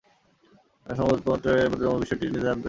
সংবাদপত্রের প্রতিযোগিতামূলক বিশ্বে এটি নিজের নাম তৈরি করেছে।